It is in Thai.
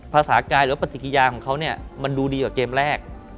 ภาษากายหรือปฏิกิยาของเขาเนี่ยมันดูดีกว่าเกมแรก